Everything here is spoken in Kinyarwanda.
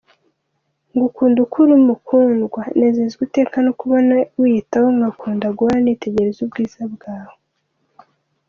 Ngukunda uko uri mukundwa, Nezezwa iteka no kukubona wiyitaho ngakunda guhora nitegereza ubwiza bwawe.